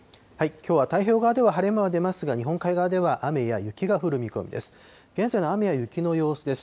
きょうは太平洋側では晴れ間が出ますが、日本海側では雨や雪が降る見込みです。